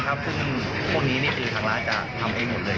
ครึ่งพวกนี้จริงฮะทางร้านจะทำให้หมดเลย